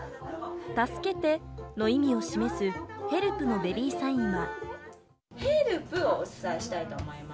助けての意味を示すヘルプのベビーサインは。